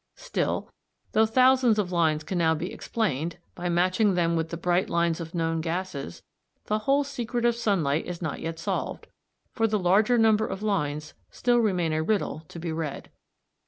Still, though thousands of lines can now be explained, by matching them with the bright lines of known gases, the whole secret of sunlight is not yet solved, for the larger number of lines still remain a riddle to be read.